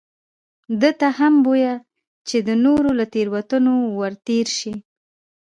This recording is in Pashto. ده ته هم بویه چې د نورو له تېروتنو ورتېر شي.